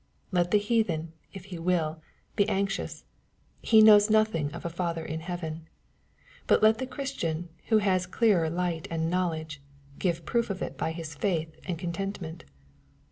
Let the heathen, if he will, be anxious. He knows nothing of a Father in heaven. But let the Christian, who has clearer light and knowledge, give proof of it by his faith and contentment.